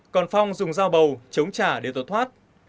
còn phong dùng dao bầu chống trả để tỏa thoát